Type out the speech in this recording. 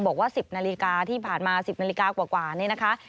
บอกว่า๑๐นาฬิกาที่ผ่านมา๑๐นาฬิกากว่านี่นะคะ